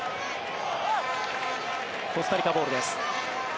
コスタリカボールです。